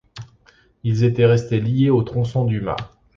Ils étaient restés liés au tronçon du mât.